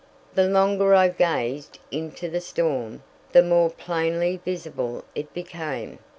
The longer I gazed into the storm, the more plainly visible it became.